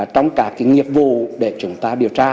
trong các nghiệp vụ để chúng ta điều tra